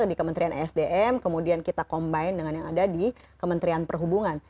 di kementerian esdm kemudian kita combine dengan yang ada di kementerian perhubungan